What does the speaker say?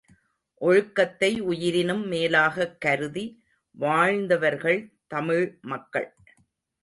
ஒழுக்கத்தை உயிரினும் மேலாகக் கருதி வாழ்ந்தவர்கள் தமிழ் மக்கள்.